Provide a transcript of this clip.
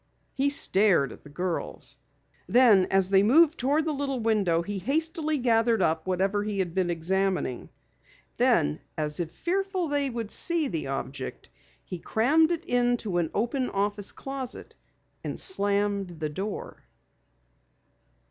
He stared at the girls. Then as they moved toward the little window, he hastily gathered up whatever he had been examining. As if fearful that they would see the object, he crammed it into an open office closet and slammed the door.